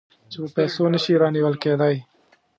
چې په پیسو نه شي رانیول کېدای.